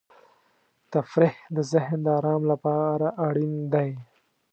تفریح د ذهن د آرام لپاره اړین دی.